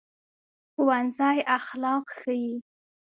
ښوونځی اخلاق ښيي